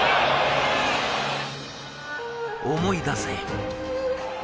思い出せ。